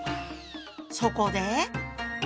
そこで。